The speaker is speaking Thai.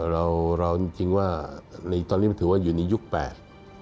เราจริงว่าตอนนี้ถือว่าอยู่ในยุคแปด